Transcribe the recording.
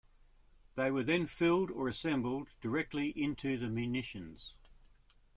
They were then filled or assembled directly into the munitions.